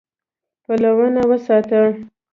پلونه وساتئ